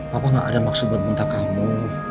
papa gak ada maksud buat minta kamu